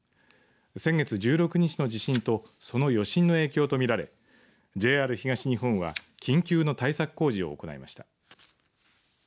先月１６日の地震とその余震の影響とみられＪＲ東日本は緊急の対策工事を行いました。